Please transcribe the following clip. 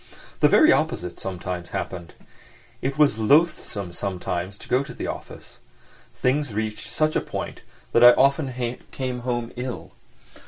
The very opposite sometimes happened. It was loathsome sometimes to go to the office; things reached such a point that I often came home ill.